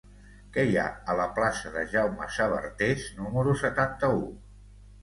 Què hi ha a la plaça de Jaume Sabartés número setanta-u?